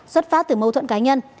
xuất phát từ mâu thuận cá nhân